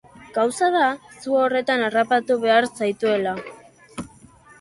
Gauza da zu horretan harrapatu behar zaituela.